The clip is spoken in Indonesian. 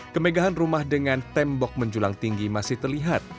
kemegahan rumah dengan tembok menjulang tinggi masih terlihat